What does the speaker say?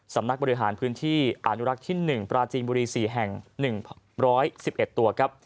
สำนักบริหารพื้นที่อนุรักษ์ที่๑ปราจีนบุรี๔แห่ง๑๑๑ตัวครับ